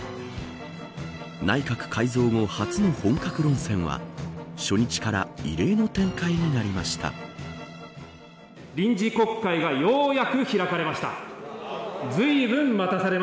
内閣改造後、初の本格論戦は初日から異例の展開になりました。